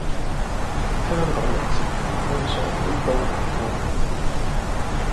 香港人食飯通常會煲埋湯